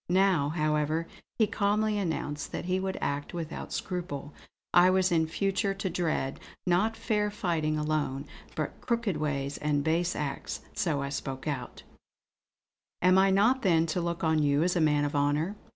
Now, however, he calmly announced that he would act without scruple. I was in future to dread, not fair fighting alone, but crooked ways and base acts. So I spoke out: "Am I not then to look on you as a man of honour?"